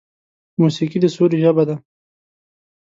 موسیقي د سولې ژبه ده.